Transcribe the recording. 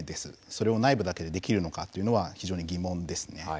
それを内部だけでできるのかというのは非常に疑問ですね。